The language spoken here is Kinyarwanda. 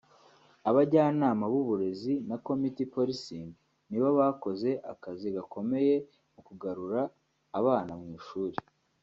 Abajyanama b’uburezi na ‘community policing’ ni bo bakoze akazi gakomeye mu kugarura abana mu ishuri